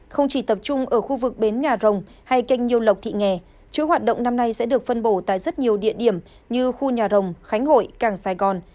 không chỉ tập trung ở khu vực bến nhà rồng hay kênh nhiêu lộc thị nghè chuỗi hoạt động năm nay sẽ được phân bổ tại rất nhiều địa điểm như khu nhà rồng khánh hội càng sài gòn